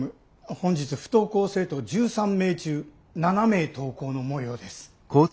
本日不登校生徒１３名中７名登校のもようです。